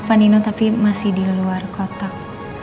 ini yang nilai yang nilai tapi masih di luar kotak